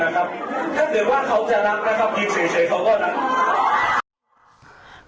ถ้าเกิดว่าเขาจะรับนะครับยิงเฉยเขาก็รัก